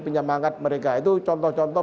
penyemangat mereka itu contoh contoh